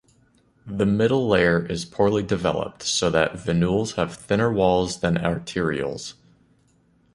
The middle layer is poorly developed so that venules have thinner walls than arterioles.